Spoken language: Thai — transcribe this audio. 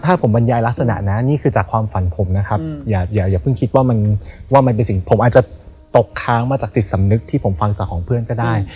ถ้าผมบรรยายลักษณะนะนี่คือจากความฝันผมนะครับอย่าเพิ่งคิดว่ามันว่ามันเป็นสิ่งผมอาจจะตกค้างมาจากจิตสำนึกที่ผมฟังจากของเพื่อนก็ได้